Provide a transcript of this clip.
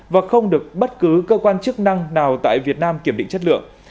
và không được bất cứ cơ quan chức năng nào tại việt nam kiểm định chất lượng